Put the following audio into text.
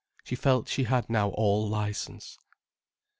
She felt she had now all licence.